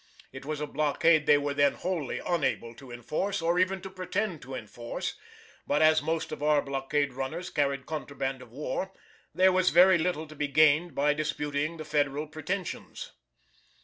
It was a blockade they were then wholly unable to enforce or even to pretend to enforce, but as most of our blockade runners carried contraband of war, there was very little to be gained by disputing the Federal pretensions.